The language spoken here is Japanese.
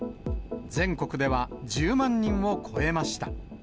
全国では１０万人を超えました。